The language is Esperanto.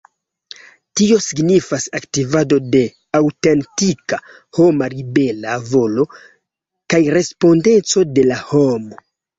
Tio signifas aktivado de aŭtentika homa libera volo kaj respondeco de la homo.